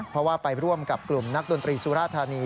เพราะว่าไปร่วมกับกลุ่มนักดนตรีสุราธานี